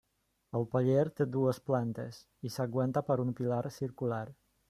El paller té dues plantes i s'aguanta per un pilar circular.